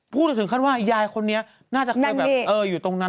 พูดถึงขั้นว่ายายคนนี้น่าจะเคยแบบอยู่ตรงนั้น